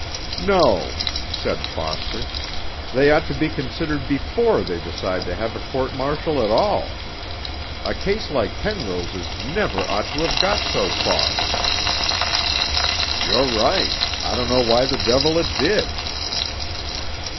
'No,' said Foster, 'they ought to be considered before they decide to have a court martial at all. A case like Penrose's never ought to have got so far.' 'You're right I don't know why the devil it did.'